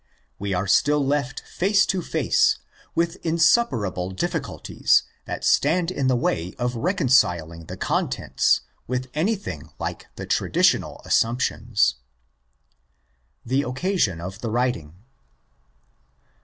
We are still left face to face with insuperable difficulties that stand in the way of reconciling the contents with anything like the traditional assumptions. The Occasion of the Writing.